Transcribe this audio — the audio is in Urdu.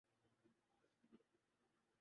پکانے کی ترکیب پر روشنی ڈالی